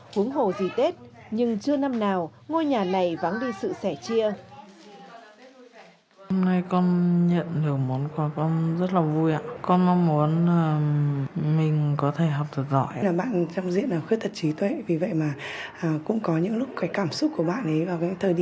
huống hồ dì tết nhưng chưa năm nào ngôi nhà này vắng đi sự sẻ chia